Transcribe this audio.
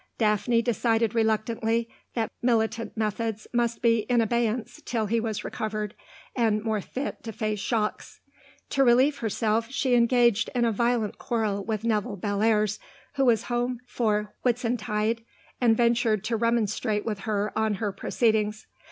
Daphne decided reluctantly that militant methods must be in abeyance till he was recovered, and more fit to face shocks. To relieve herself, she engaged in a violent quarrel with Nevill Bellairs, who was home for Whitsuntide and ventured to remonstrate with her on her proceedings.